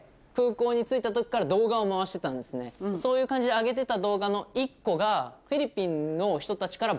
そういう感じであげてた。